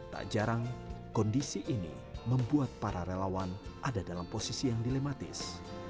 tak jarang kondisi ini membuat para relawan ada dalam posisi yang dilematis